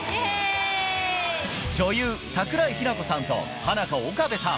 女優・桜井日奈子さんとハナコ岡部さん。